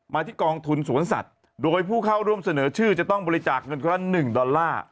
ที่กองทุนสวนสัตว์โดยผู้เข้าร่วมเสนอชื่อจะต้องบริจาคเงินคนละ๑ดอลลาร์